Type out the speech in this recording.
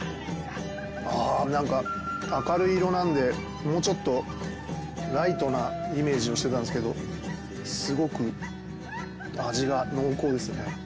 ああなんか明るい色なのでもうちょっとライトなイメージをしてたんですけどすごく味が濃厚ですね。